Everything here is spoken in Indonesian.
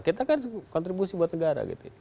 kita kan kontribusi buat negara gitu